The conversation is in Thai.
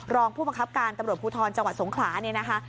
รองผู้บังคับการตำรวจภูทรจังหวัดสงขลาเนี่ยนะคะ